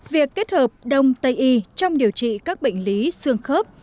việc kết hợp đông tây y trong điều trị các bệnh lý xương khớp